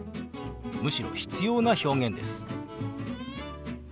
むしろ必要な表現です。